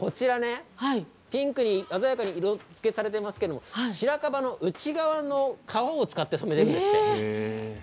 ピンクに鮮やかに色づけされてますけれどもシラカバの内側の皮を使って染めているんですって。